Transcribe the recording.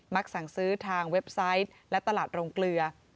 สั่งซื้อทางเว็บไซต์และตลาดโรงเกลือ